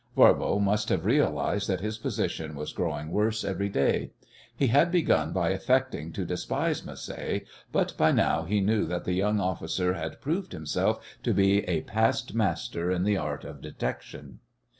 Voirbo must have realized that his position was growing worse every day. He had begun by affecting to despise Macé, but by now he knew that the young officer had proved himself to be a past master in the art of detection.